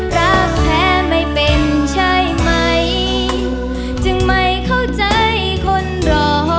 รักแท้ไม่เป็นใช่ไหมจึงไม่เข้าใจคนรอ